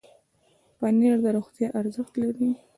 پنېر د روغتیا ارزښت لري.